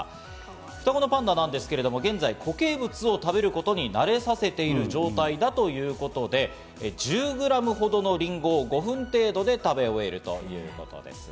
双子のパンダなんですけれども、現在固形物を食べることに慣れさせている状態だということで、１０グラムほどのリンゴを５分程度で食べ終えるということです。